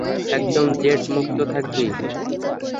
একদম জেট-মুক্ত থাকবি।